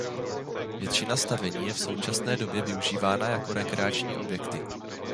Většina stavení je v současné době využívána jako rekreační objekty.